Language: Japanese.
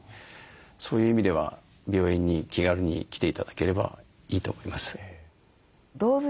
そういう意味では病院に気軽に来て頂ければいいと思います。